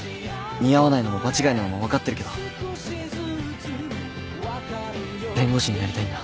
似合わないのも場違いなのも分かってるけど弁護士になりたいんだ。